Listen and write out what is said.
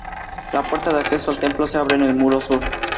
La puerta de acceso al templo se abre en el muro sur.